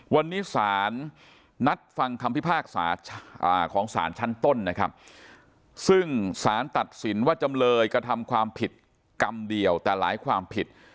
วันนี้สารนัดฟังคำพิพากษาของสารชั้นต้นนะครับซึ่งสารตัดสินว่าจำเลยกระทำความผิดกรรมเดียวแต่หลายความผิด